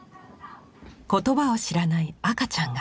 言葉を知らない赤ちゃんが。